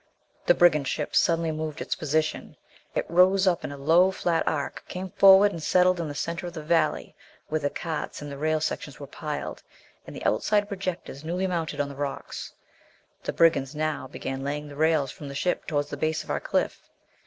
The brigand ship suddenly moved its position! It rose up in a low flat arc, came forward and settled in the center of the valley where the carts and rail sections were piled, and the outside projectors newly mounted on the rocks. The brigands now began laying the rails from the ship toward the base of our cliff.